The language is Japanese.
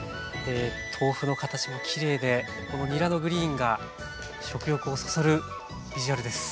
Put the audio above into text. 豆腐の形もきれいでこのにらのグリーンが食欲をそそるビジュアルです！